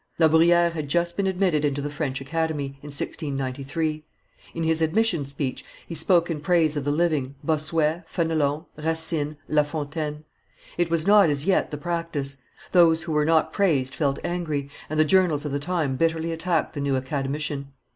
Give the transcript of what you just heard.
La Bruyere had just been admitted into the French Academy, in 1693. In his admission speech he spoke in praise of the living, Bossuet, Fenelon, Racine, La Fontaine; it was not as yet the practice. Those who were not praised felt angry, and the journals of the time bitterly attacked the new academician.